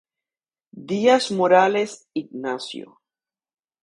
Díaz-Morales, Ignacio.